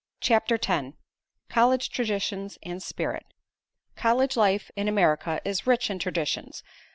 CHAPTER X COLLEGE TRADITIONS AND SPIRIT College life in America is rich in traditions.